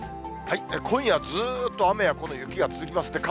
今夜、ずっと雨や雪が続きます。